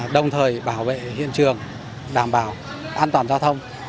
đồng thời bảo vệ hiện trường đảm bảo an toàn giao thông